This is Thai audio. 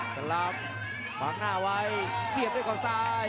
สลับขวางหน้าไว้เสียบด้วยเขาซ้าย